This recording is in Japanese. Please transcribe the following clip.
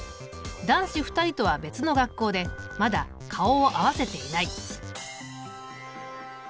男子２人とは別の学校でまだ顔を合わせていない。